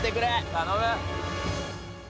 頼む。